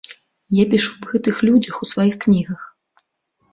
Я пішу аб гэтых людзях у сваіх кнігах.